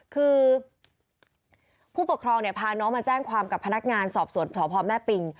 คือผู้ปกครองเนี่ยพาน้องมาแจ้งความกับพนักงานสอบสวนสพแม่ปิง